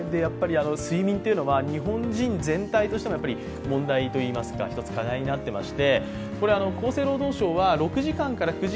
睡眠というのは日本人全体としても問題といいますか、１つ課題になっています。